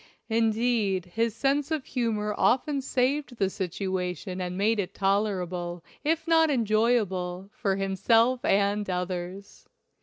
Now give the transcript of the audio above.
Indeed, his sense of humor often saved the situation and made it tolerable, if not enjoyable, for himself and others.